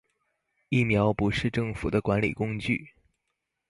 疫苗不是政府的管理工具